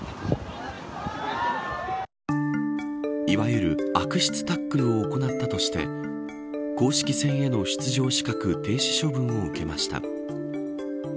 いわゆる悪質タックルを行ったとして公式戦への出場資格停止処分を受けました。